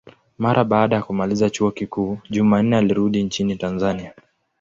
Mara baada ya kumaliza chuo kikuu, Jumanne alirudi nchini Tanzania.